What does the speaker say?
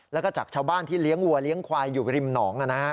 แล้วก็จากชาวบ้านที่เลี้ยงวัวเลี้ยงควายอยู่ริมหนอง